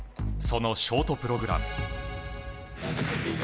そのショートプログラム。